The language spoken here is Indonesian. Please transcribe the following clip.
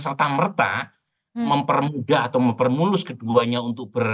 serta merta mempermudah atau mempermulus keduanya untuk ber